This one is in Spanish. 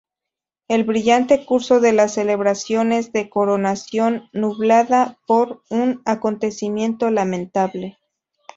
El brillante curso de las celebraciones de coronación nublada por un acontecimiento lamentable.